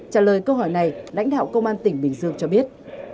trả lời câu hỏi này lãnh đạo công an tỉnh bình dương cho biết